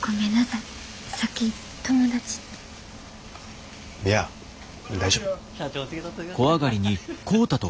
いや大丈夫。